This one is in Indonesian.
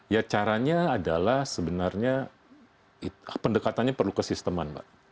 ya caranya adalah sebenarnya pendekatannya perlu ke sistem man